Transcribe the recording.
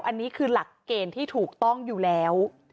อันนี้คือหลักเกณฑ์ที่ถูกต้องอยู่แล้ว